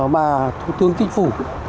mà thủ tướng kinh phủ